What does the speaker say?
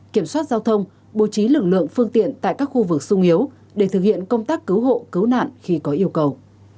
kiểm soát giao thông bố trí lực lượng phương tiện tại các khu vực sung yếu để thực hiện công tác cứu hộ cứu nạn khi có yêu cầu